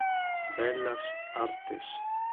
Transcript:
Bellas Artes